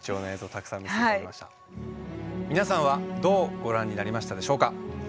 皆さんはどうご覧になりましたでしょうか。